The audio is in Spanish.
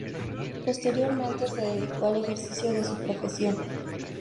Posteriormente se dedicó al ejercicio de su profesión.